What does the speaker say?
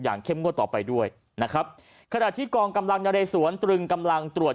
เข้มงวดต่อไปด้วยนะครับขณะที่กองกำลังนเรสวนตรึงกำลังตรวจ